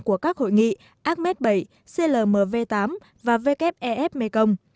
của các hội nghị acmed bảy clmv tám và wf ef mekong